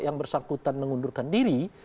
yang bersangkutan mengundurkan diri